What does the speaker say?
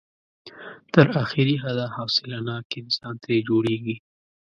تر اخري حده حوصله ناک انسان ترې جوړېږي.